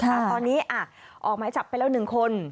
ตอนนี้ออกหมายจับไปแล้ว๑คน